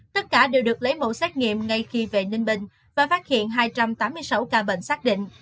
tất cả đều được lấy mẫu xét nghiệm ngay khi về ninh bình và phát hiện hai trăm tám mươi sáu ca bệnh xác định